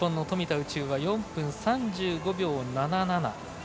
宇宙は４分３５秒７７。